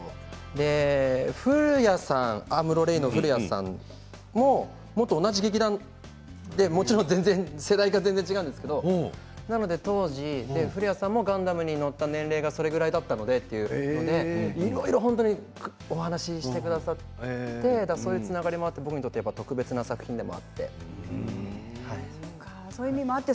アムロ・レイの古谷さんももと同じ劇団でもちろん全然世代が違うんですけれどなので当時古谷さんもガンダムに乗った年齢はそれくらいだったのでといろいろお話ししてくださってそういうつながりもあって特別な作品だということもあって。